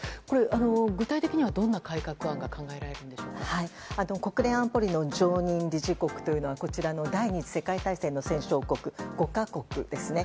具体的には、どんな改正案が国連安保理の常任理事国というのはこちらの第２次世界大戦の戦勝国５か国ですね。